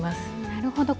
なるほど。